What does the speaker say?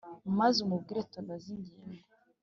maze umbwire tunoze ingingo